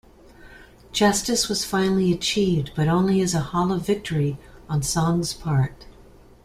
Justice was finally achieved but only as a hollow victory on Song's part.